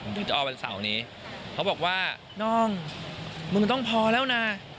จึงตอนวันเสาร์นี้เขาบอกว่าน้องมึงต้องพอแล้วน่ะ